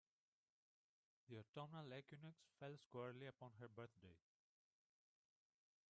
The autumnal equinox fell squarely upon her birthday.